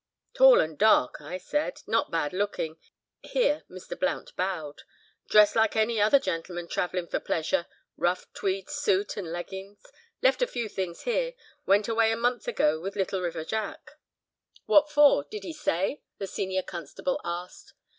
"Tall and dark" (I said), "not bad looking." Here Mr. Blount bowed. "Dressed like any other gentleman travelling for pleasure. Rough tweed suit and leggings. Left a few things here. Went away a month ago, with Little River Jack." "What for—did he say?" the Senior Constable asked.